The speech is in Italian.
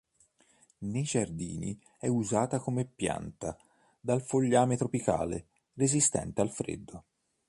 Nei giardini è usata come pianta "dal fogliame tropicale" resistente al freddo.